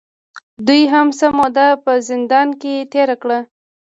دوې هم څۀ موده پۀ زندان کښې تېره کړه